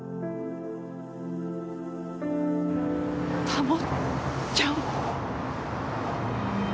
たもっちゃん？